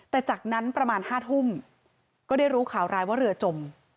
แต่จากนั้นประมาณ๕ทุ่มก็ได้รู้ข่าวร้ายว่าเรือจม